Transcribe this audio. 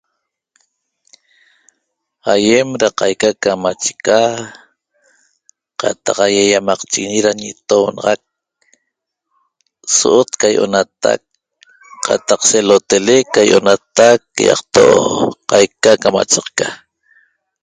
Aýem da qaica camacheca qataq ýaýamaqchiguiñi da ñitounaxac so'ot ca ýi'onatac qataq selotelec ca ýi'onatac ýaqto' qaica camachaqca